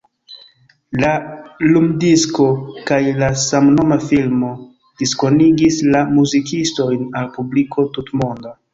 La lumdisko kaj la samnoma filmo diskonigis la muzikistojn al publiko tutmonda.